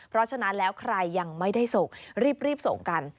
เพราะฉะนั้นแล้วใครยังไม่ได้ส่งรีบส่งกัน